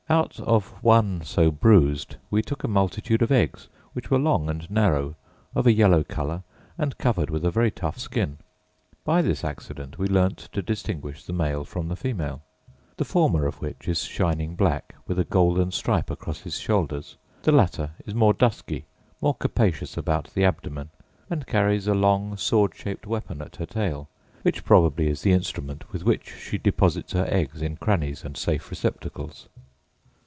Out of one so bruised we took a multitude of eggs, which were long and narrow, of a yellow colour, and covered with a very tough skin. By this accident we learned to distinguish the male from the female; the former of which is shining black, with a golden stripe across his shoulders; the latter is more dusky, more capacious about the abdomen, and carries a long sword shaped weapon at her tail, which probably is the instrument with which she deposits her eggs in crannies and safe receptacles.